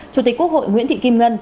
chủ tịch quốc hội nguyễn thị kim ngân